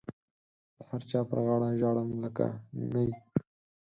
د هر چا پر غاړه ژاړم لکه نی.